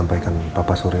pa dia kan minta gaji